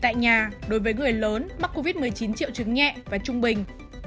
tại nhà đối với người lớn mắc covid một mươi chín triệu chứng nhẹ và trung bình